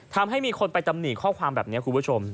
ทำให้มีคนไปตำหนิข้อความแบบนี้คุณผู้ชม